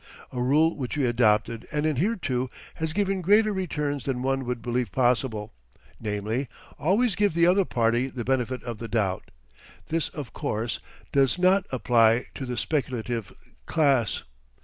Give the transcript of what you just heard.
A rule which we adopted and adhered to has given greater returns than one would believe possible, namely: always give the other party the benefit of the doubt. This, of course, does not apply to the speculative class.